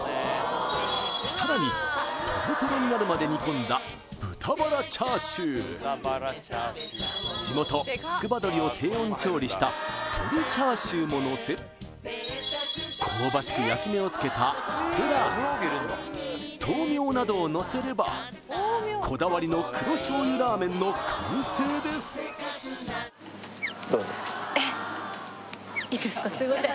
さらにトロトロになるまで煮込んだ豚バラチャーシュー地元つくば鶏を低温調理した鶏チャーシューものせこうばしく焼き目をつけた油揚げ豆苗などをのせればこだわりの黒醤油ラーメンの完成ですえっいいですかすいません